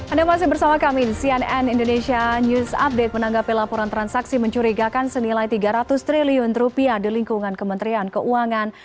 anda masih bersama kami di cnn indonesia news update menanggapi laporan transaksi mencurigakan senilai tiga ratus triliun rupiah di lingkungan kementerian keuangan